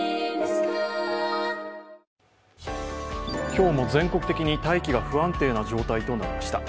今日も全国的に大気が不安定な状態となりました。